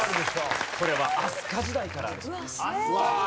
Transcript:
これは飛鳥時代からあるそうです。